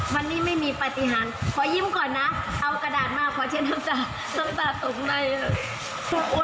วันนี้ไม่มีปฏิหารขอยิ้มก่อนนะเอากระดาษมาขอเช่นน้ำตาน้ำตาตกในทุกคน